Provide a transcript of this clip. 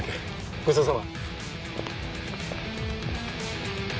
ごちそうさま。